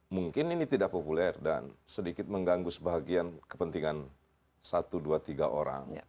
mungkin ini tidak populer dan sedikit mengganggu sebahagian kepentingan satu dua tiga orang